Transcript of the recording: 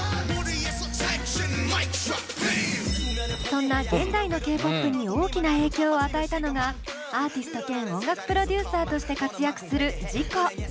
そんな現代のＫ−ＰＯＰに大きな影響を与えたのがアーティスト兼音楽プロデューサーとして活躍するＺＩＣＯ。